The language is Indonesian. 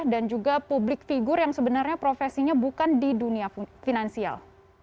dan juga publik figur yang sebenarnya profesinya bukan di dunia finansial